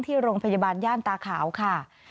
ที่โรงพยาบาลย่านตาขาวค่ะ